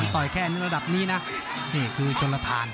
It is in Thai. ต่อยแค่ระดับนี้นะนี่คือโชลทาน